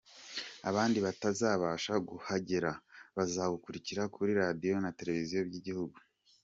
Abandi batazabasha kuhagera, bazawukurikira kuri Radio na Televiziyo by’Igihugu.